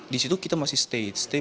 disitu kita masih stay